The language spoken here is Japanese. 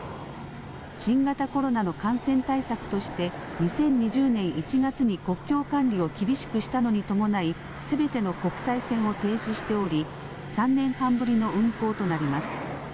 新型コロナの感染対策として、２０２０年１月に国境管理を厳しくしたのに伴い、すべての国際線を停止しており、３年半ぶりの運航となります。